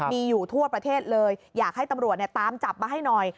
มีอยู่ทั่วประเทศเลยอยากให้ตำรวจตามจับมาให้หน่อย